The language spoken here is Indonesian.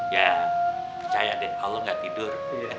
ya percaya deh allah gak tidur